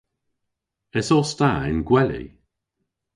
Esos ta y'n gweli?